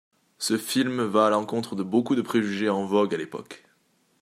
Ce film va à l'encontre de beaucoup de préjugés en vogue à l'époque.